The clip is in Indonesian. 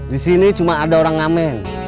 di sini cuma ada orang ngamen